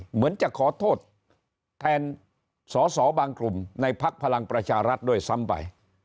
เหมือนจะขอโทษแทนสอสอบางกลุ่มในภักดิ์พลังประชารัฐด้วยซ้ำไป